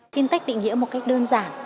fintech định nghĩa một cách đơn giản